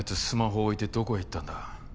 スマホ置いてどこへ行ったんだ？